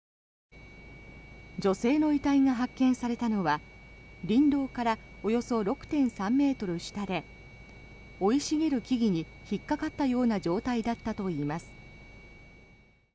女性の遺体が発見されたのは林道からおよそ６．３ｍ下で生い茂る木々に引っかかったような状態だったといいます。